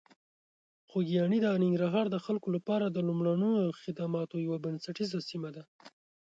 خوږیاڼي د ننګرهار د خلکو لپاره د لومړنیو خدماتو یوه بنسټیزه سیمه ده.